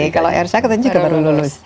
kalau erca katanya juga baru lulus